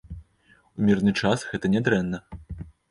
У мірны час гэта нядрэнна.